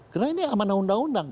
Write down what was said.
karena ini amanah undang undang